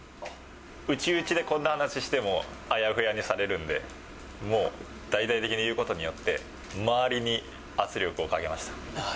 内々でこんな話してもあやふやにされるんで、もう、大々的に言うことによって、周りに圧力をかけました。